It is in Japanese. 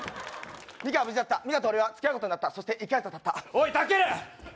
ミカは無事だったミカと俺はつきあうことになったそして１カ月がたったおいタケル！